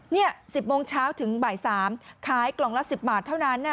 นี่๑๐โมงเช้าถึงบ่าย๓ขายกล่องละ๑๐บาทเท่านั้น